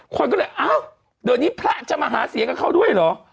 คนก็เลยอ้าวเดี๋ยวนี้พระจะมาหาเสียงกับเขาด้วยเหรอ